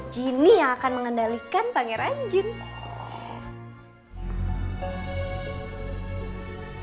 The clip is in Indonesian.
jeannie yang akan mengendalikan pangeran jeanne